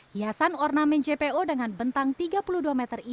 hiasan ornamen jpo dengan bentang tiga puluh dua meter ini bernuansa budaya betawi